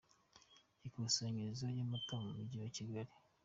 Ikusanyirizo y’amata mu Mujyi wa Kigali